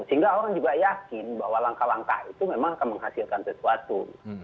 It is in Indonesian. sehingga orang juga yakin bahwa langkah langkah itu memang akan menghasilkan sesuatu